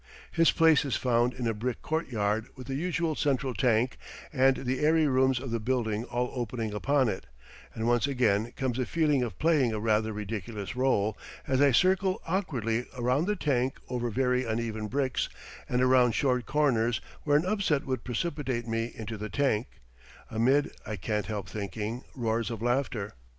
His place is found in a brick court yard with the usual central tank, and the airy rooms of the building all opening upon it, and once again comes the feeling of playing a rather ridiculous role, as I circle awkwardly around the tank over very uneven bricks, and around short corners where an upset would precipitate me into the tank amid, I can't help thinking, "roars of laughter."